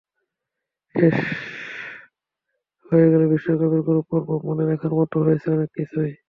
শেষ হয়ে গেল বিশ্বকাপের গ্রুপ পর্ব, মনে রাখার মতো হয়েছে অনেক কিছুই।